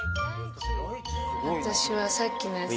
私はさっきのやつ。